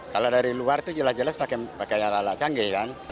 kalau dari luar itu jelas jelas pakai alat alat canggih kan